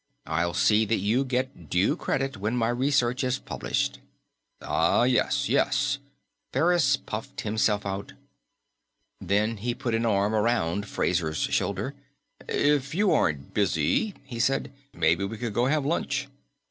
I'll see that you get due credit when my research is published." "Ah yes. Yes." Ferris puffed himself out. Then he put an arm around Fraser's shoulder. "If you aren't busy," he said, "maybe we could go have lunch."